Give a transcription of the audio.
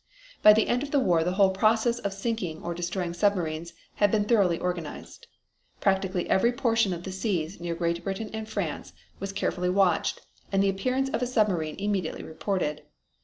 By the end of the war the whole process of sinking or destroying submarines had been thoroughly organized. Practically every portion of the seas near Great Britain and France was carefully watched and the appearance of a submarine immediately reported.